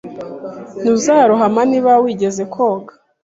Ntuzarohama niba wize koga.